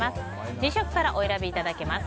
２色からお選びいただけます。